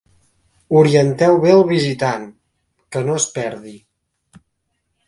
Orienteu bé el visitant, que no es perdi.